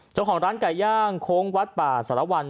เจ้าของร้านไก่ย่างโค้งวัดป่าสารวัล